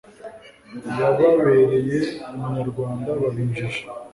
Yababereye umunyarwanda baba injiji.